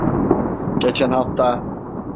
Geçen hafta.